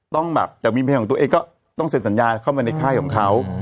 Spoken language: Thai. ต้องแบบจากวินเพลงของตัวเองก็ต้องเซ็นสัญญาเข้ามาในค่ายของเขา